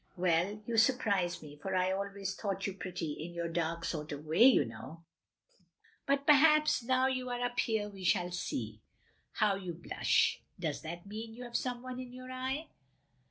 Well, you surprise me, for I always thought you pretty — ^in your dark sort of way, you know. 176 THE LONELY LADY But perhaps now you are up here, we shall see! How you blush! Does that mean you have some one in your eye?"